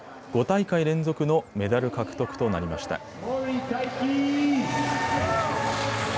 ５大会連続のメダル獲得となりました。